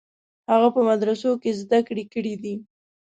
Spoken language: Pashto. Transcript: هغه په مدرسو کې زده کړې کړې دي.